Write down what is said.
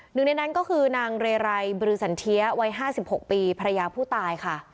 หนึ่งในนั้นก็คือนางเรไรบือสันเทียวัย๕๖ปีภรรยาผู้ตายค่ะ